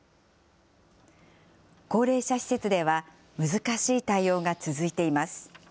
高齢者施設では難しい対応が続いています。